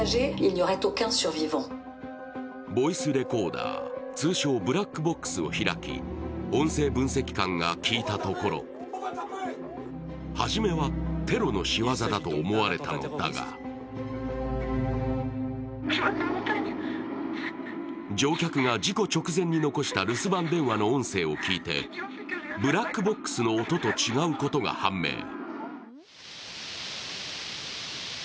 ボイスレコーダー、通称・ブラックボックスを開き音声分析官が聞いたところ、初めはテロのしわざかと思われたのだが乗客が事故直前に残した留守番電話の音声を聞いて、ブラックボックスの音と違うことが判明。